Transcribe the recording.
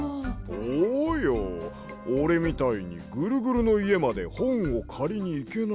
おうよおれみたいにぐるぐるのいえまでほんをかりにいけない